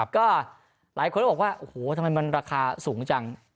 ก็หลายคนก็บอกว่าโอ้โหทำไมมันราคาสูงจัง